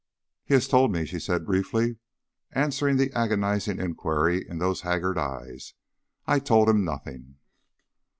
"He has told me," she said briefly, answering the agonized inquiry in those haggard eyes. "I told him nothing."